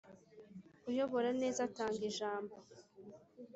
uyobora neza atanga ijambo,